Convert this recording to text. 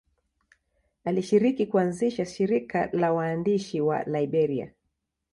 Alishiriki kuanzisha shirika la waandishi wa Liberia.